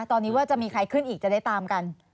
ตอนนี้ว่าจะมีใครขึ้นอีกจะได้ตามกัน